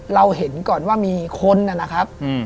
เราเห็นก่อนว่ามีคนนะครับ